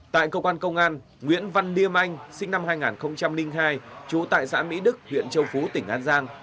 tại công an công an nguyễn văn điêm anh sinh năm hai nghìn hai trú tại xã mỹ đức huyện châu phú tỉnh an giang